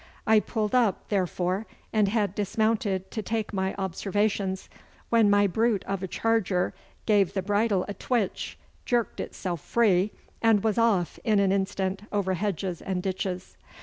I pulled up, therefore, and had dismounted to take my observations, when my brute of a charger gave the bridle a twitch, jerked itself free, and was off in an instant over hedges and ditches.